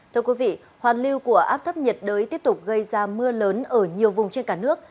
thưa quý vị hoàn lưu của áp thấp nhiệt đới tiếp tục gây ra mưa lớn ở nhiều vùng trên cả nước